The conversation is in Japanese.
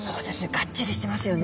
がっちりしてますよね。